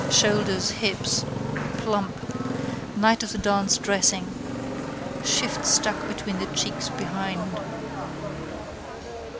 Shoulders. Hips. Plump. Night of the dance dressing. Shift stuck between the cheeks behind.